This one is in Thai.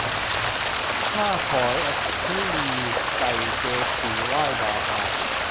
ข้าขอยอชุลี ใส่เกศีไหว้บาทา